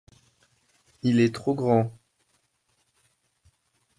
Il est trop grand.